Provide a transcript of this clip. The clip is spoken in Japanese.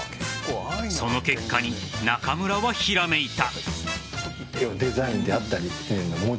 その結果に中村はひらめいた。